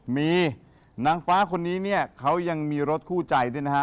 มีนางฟ้าคนนี้เนี่ยเขายังมีรถคู่ใจด้วยนะฮะ